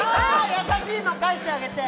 優しいの返してあげて。